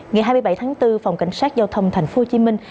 ngày hai mươi bảy tháng bốn phòng cảnh sát giao thông thành phố hồ chí minh